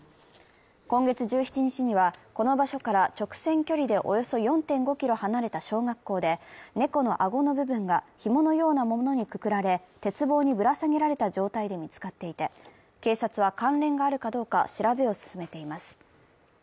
今月１７日には、この場所から直線距離でおよそおよそ４．５ｋｍ離れた小学校で猫の顎の部分がひものようなものにくくられ鉄棒にぶら下げられた状態で見つかっていて、警察は関連があるかどうか調べを進めています。